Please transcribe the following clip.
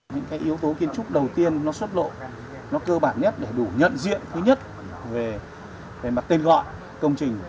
những cái yếu tố kiến trúc đầu tiên nó xuất lộ nó cơ bản nhất để đủ nhận diện thứ nhất về mặt tên gọi công trình